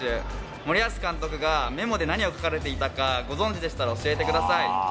森保監督がメモで何を書かれていたか、ご存じでしたら教えてください。